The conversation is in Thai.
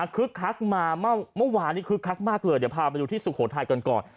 คักมาเมื่อวานนี้คึกคักมากเลยเดี๋ยวพาไปดูที่สุโขทัยกันก่อน